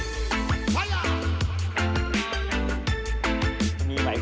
ไว้เวลา